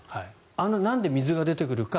なんで水が出てくるか。